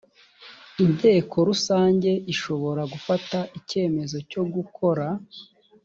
inteko rusange ishobora gufata icyemezo cyo gukora